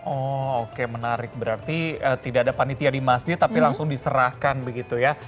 oh oke menarik berarti tidak ada panitia di masjid tapi langsung diserahkan begitu ya